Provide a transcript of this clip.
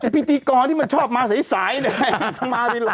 พิธีกรที่มันชอบมาใสมาวิลองค์